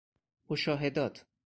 مشاهدات